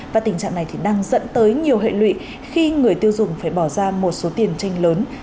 và tình trạng này thì đang dẫn tới nhiều hệ lụy khi người tiêu dùng phải bỏ ra một số tiền tranh lớn